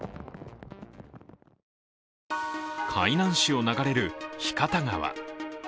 海南市を流れる日方川。